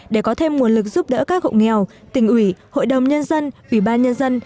để có thêm nguồn lực giúp đỡ các hộ nghèo tỉnh ủy hội đồng nhân dân ủy ban nhân dân